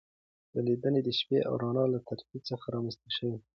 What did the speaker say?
ځلېدنه د شپې او رڼا له ترکیب څخه رامنځته شوې.